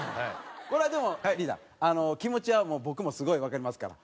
これはでもリーダー気持ちはもう僕もすごいわかりますから。